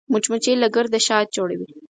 مچمچۍ له ګرده شات جوړوي